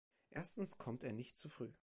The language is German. Erstens kommt er nicht zu früh.